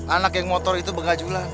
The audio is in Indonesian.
anak yang motor itu bengajula